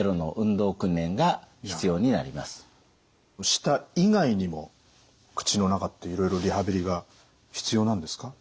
舌以外にも口の中っていろいろリハビリが必要なんですか？